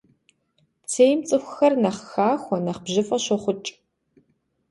Цейм цӏыхухъур нэхъ хахуэ, нэхъ бжьыфӏэ щӏохъукӏ.